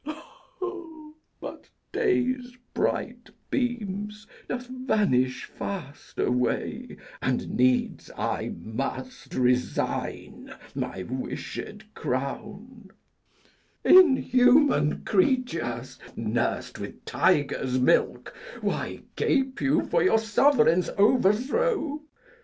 But day's bright beams doth vanish fast away, And needs I must resign my wished crown. Inhuman creatures, nurs'd with tiger's milk, Why gape you for your sovereign's overthrow?